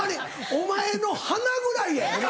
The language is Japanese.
お前の鼻ぐらいやよな。